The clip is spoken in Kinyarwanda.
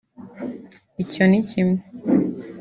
icyo ni kimwe